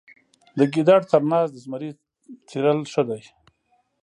د ګیدړ تر ناز د زمري څیرل ښه دي.